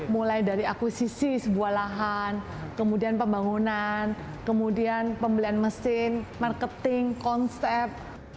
mulai dari akuisisi sebuah lahan kemudian pembangunan kemudian pembelian mesin marketing konsep